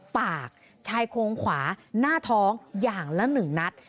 ปากชายโครงขวาหน้าท้องอย่างละ๑นัด